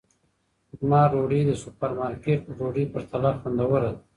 زما ډوډۍ د سوپرمارکېټ په ډوډۍ پرتله خوندوره ده.